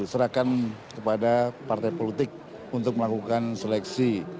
serahkan kepada partai politik untuk melakukan seleksi